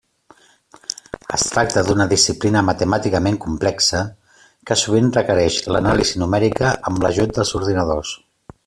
Es tracta d'una disciplina matemàticament complexa que sovint requereix l'anàlisi numèrica amb l'ajut dels ordinadors.